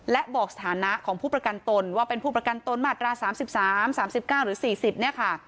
และบอกสถานะของผู้ประกันตนว่าเป็นผู้ประกันตนมาตรา๓๓๙หรือ๔๐เนี่ยค่ะ